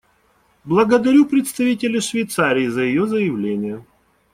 Благодарю представителя Швейцарии за ее заявление.